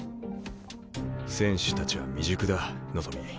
選手たちは未熟だ望。